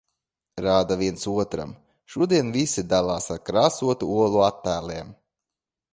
Rāda viens otram. Šodien visi dalās ar krāsotu olu attēliem.